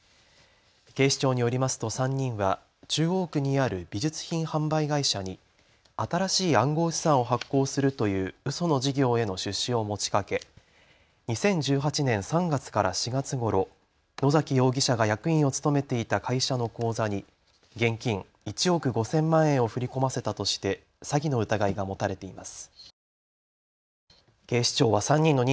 警視庁によりますと３人は中央区にある美術品販売会社に新しい暗号資産を発行するといううその事業への出資を持ちかけ２０１８年３月から４月ごろ、野崎容疑者が役員を務めていた会社の口座に現金１億５０００万円を振り込ませたとして詐欺の疑いが持たれています。